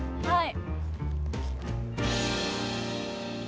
はい。